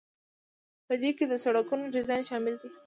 په دې کې د سړکونو ډیزاین شامل دی.